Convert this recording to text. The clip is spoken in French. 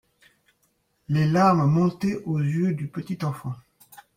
Les larmes montaient aux yeux du petit enfant.